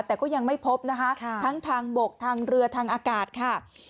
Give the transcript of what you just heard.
แต่ก็ยังไม่พบนะคะทั้งทางบกทางเรือทางอากาศค่ะ